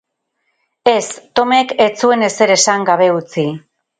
Ez, Tomek ez zuen ezer esan gabe utzi.